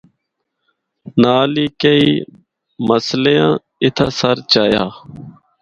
نال ہی کئی مَسلیاں اِتھا سر چایا۔